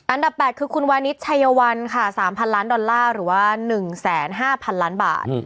อันดับ๘คือคุณวานิสชัยวัลค่ะ๓๐๐ล้านดอลลาร์หรือว่า๑๕๐๐๐ล้านบาท